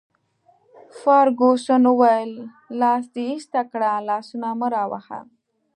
فرګوسن وویل: لاس دي ایسته کړه، لاسونه مه راوهه.